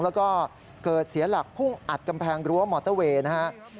แล้วก็เกิดเสียหลักพุ่งอัดกำแพงรั้วมอเตอร์เวย์นะครับ